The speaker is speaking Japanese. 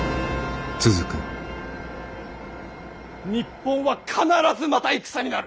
日本は必ずまた戦になる。